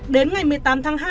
đến ngày một mươi tám tháng hai